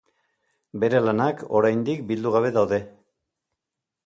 Bere lanak oraindik bildu gabe daude.